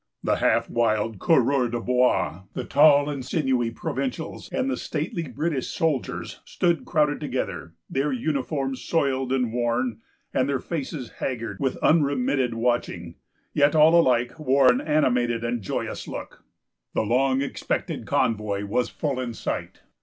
The half wild coureurs de bois, the tall and sinewy provincials, and the stately British soldiers, stood crowded together, their uniforms soiled and worn, and their faces haggard with unremitted watching. Yet all alike wore an animated and joyous look. The long expected convoy was full in sight.